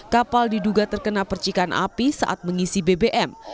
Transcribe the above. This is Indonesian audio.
kapal diduga terkena percikan api saat mengisi bbm